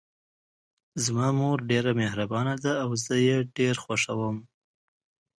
زما مور ډیره مهربانه ده او زه یې ډېر خوښوم